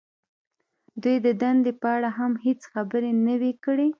دوی د دندې په اړه هم هېڅ خبرې نه وې کړې